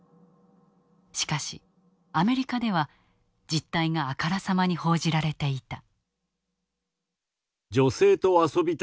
しかしアメリカでは実態があからさまに報じられていた。